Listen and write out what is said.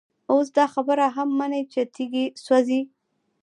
اوس دا خبره هم مني چي تيږي سوزي،